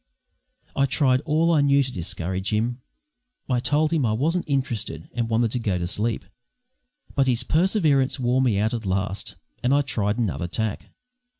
I tried all I knew to discourage him. I told him I wasn't interested and wanted to go to sleep; but his perseverance wore me out at last, and I tried another tack.